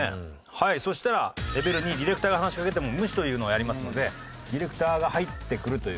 はいそしたらレベル２「ディレクターが話しかけても無視」というのをやりますのでディレクターが入ってくるという。